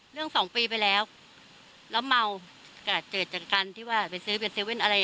สองปีไปแล้วแล้วเมาก็เกิดจากการที่ว่าไปซื้อเป็น๗๑๑อะไร